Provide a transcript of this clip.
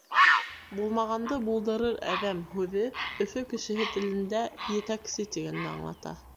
«Булмағанды булдырыр әҙәм» һүҙе Өфө кешеһе телендә «етәксе» тигәнде аңлата.